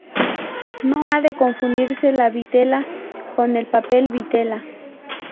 No ha de confundirse la vitela con el papel vitela.